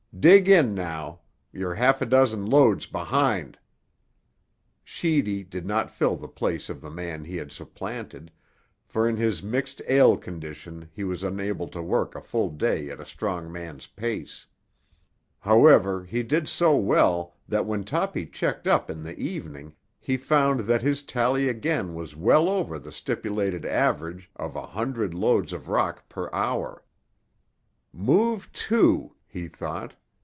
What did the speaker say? "Dig in, now; you're half a dozen loads behind." Sheedy did not fill the place of the man he had supplanted, for in his mixed ale condition he was unable to work a full day at a strong man's pace. However, he did so well that when Toppy checked up in the evening he found that his tally again was well over the stipulated average of a hundred loads of rock per hour. "Move two," he thought.